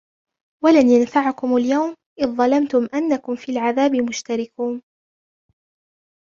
ولن ينفعكم اليوم إذ ظلمتم أنكم في العذاب مشتركون